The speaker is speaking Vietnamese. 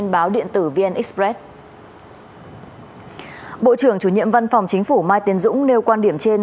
bộ trưởng chủ nhiệm văn phòng chính phủ mai tiến dũng nêu quan điểm trên